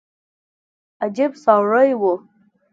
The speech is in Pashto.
عجب سړى و.